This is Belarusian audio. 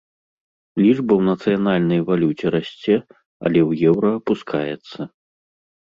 Лічба ў нацыянальнай валюце расце, але ў еўра апускаецца.